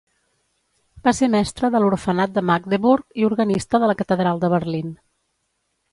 Va ser mestre de l'Orfenat de Magdeburg i organista de la Catedral de Berlín.